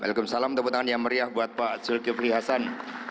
waalaikumsalam temutan yang meriah buat pak zulkifli hasan